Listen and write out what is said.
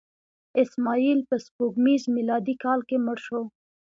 اسماعیل په سپوږمیز میلادي کال کې مړ شو.